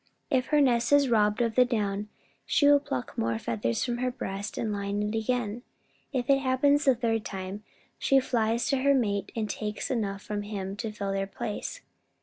"If her nest is robbed of the down, she will pluck more feathers from her breast and line it again. If it happens the third time, she flies to her mate and takes enough from him to fill their place.